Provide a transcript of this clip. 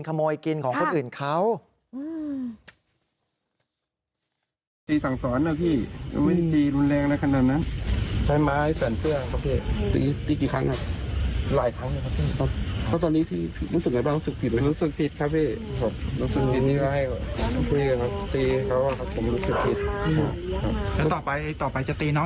ขโมยกินของคนอื่นเขา